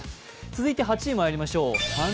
続いて８位、まいりましょう。